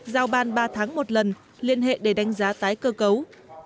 giao ban ba tháng một lần liên hệ để đánh giá tái cơ cấu